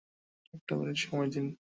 একটা মিনিট সময় দিন?